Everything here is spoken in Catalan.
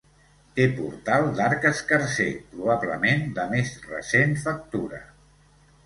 Té portal d'arc escarser, probablement de més recent factura.